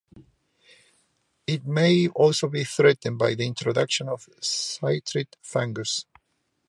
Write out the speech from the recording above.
It may also be threatened by the introduction of chytrid fungus.